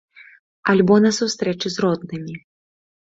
Альбо на сустрэчы з роднымі.